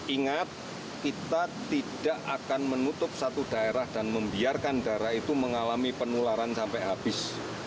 ingat kita tidak akan menutup satu daerah dan membiarkan daerah itu mengalami penularan sampai habis